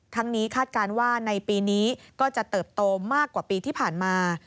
นี้คาดการณ์ว่าในปีนี้ก็จะเติบโตมากกว่าปีที่ผ่านมา